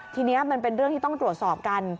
ทีนี้มันเป็นเรื่องที่ต้องตรวจสอบกัน